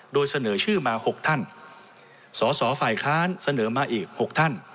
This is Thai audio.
โดยเสนอชื่อมา๖ท่านสสฝคเสนอมาอีก๖ท่าน